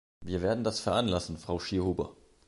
Wir werden das veranlassen, Frau Schierhuber!